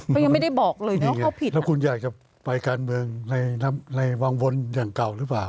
ก็ยังไม่ได้บอกเลยนะว่าเขาผิดแล้วคุณอยากจะไปการเมืองในวังบนอย่างเก่าหรือเปล่า